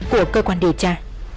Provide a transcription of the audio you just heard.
của cơ quan điều tra